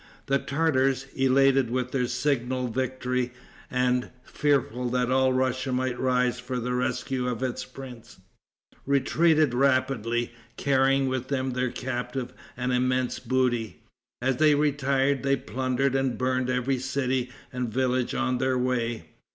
The Tartars, elated with their signal victory, and fearful that all Russia might rise for the rescue of its prince, retreated rapidly, carrying with them their captive and immense booty. As they retired they plundered and burned every city and village on their way.